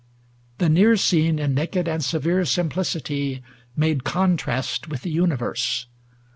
The near scene. In naked and severe simplicity, 560 Made contrast with the universe.